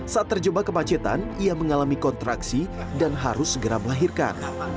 saat terjebak kemacetan ia mengalami kontraksi dan harus segera melahirkan